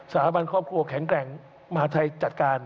สาบันครอบครัวแข็งแกร่งมหาทัยจัดการ